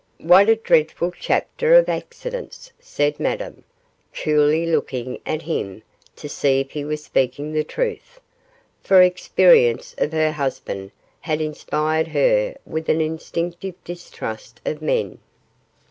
'What a dreadful chapter of accidents,' said Madame, coolly looking at him to see if he was speaking the truth, for experience of her husband had inspired her with an instinctive distrust of men.